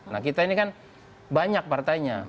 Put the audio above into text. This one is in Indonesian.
nah kita ini kan banyak partainya